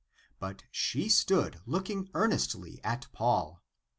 " But she stood looking earnestly at Paul.